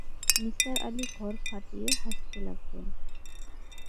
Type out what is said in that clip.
নিসার আলি ঘর ফাটিয়ে হাসতে লাগলেন।